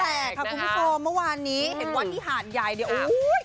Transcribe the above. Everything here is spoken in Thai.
ห้างแตกค่ะคุณผู้ชมเมื่อวานนี้เห็นวันที่หาดใหญ่เนี่ย